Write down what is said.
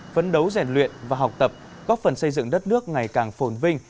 phấn đấu rèn luyện và học tập góp phần xây dựng đất nước ngày càng phồn vinh